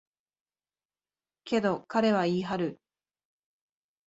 けど、彼は言い張る。